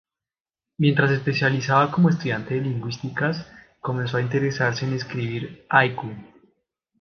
Mientras se especializaba como estudiante en lingüísticas, comenzó a interesarse en escribir haiku.